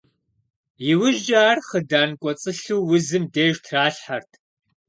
Иужькӏэ ар хъыдан кӏуэцӏылъу узым деж тралъхьэрт.